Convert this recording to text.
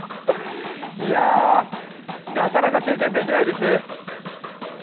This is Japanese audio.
なかなか経験できないですね。